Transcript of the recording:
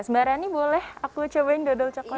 mbak rani boleh aku cobain dodol coklat